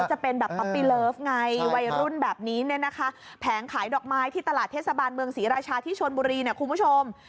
จะเป็นแบบป๊อปปี้เลิฟไงวัยรุ่นแบบนี้เนี่ยนะคะแผงขายดอกไม้ที่ตลาดเทศบาลเมืองศรีราชาที่ชนบุรีเนี่ยคุณผู้ชม